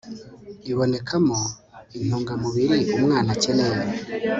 ibonekamo intungamubiri umwana akeneye